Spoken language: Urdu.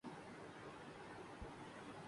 میرے نزدیک تواس باب میں ایک فرد کی گواہی معتبر ہے۔